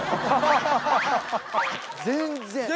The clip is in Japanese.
全然！